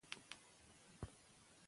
اداره د خلکو پر وړاندې ځواب ورکوي.